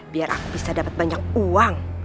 biar aku bisa dapat banyak uang